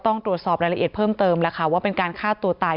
ต้องตรวจสอบรายละเอียดเพิ่มเติมแล้วค่ะว่าเป็นการฆ่าตัวตาย